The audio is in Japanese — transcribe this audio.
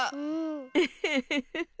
ウフフフフ。